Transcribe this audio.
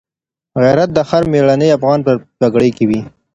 غیرت د هر مېړني افغان په پګړۍ کي وي.